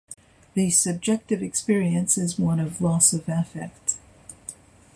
The subjective experience is one of loss of affect.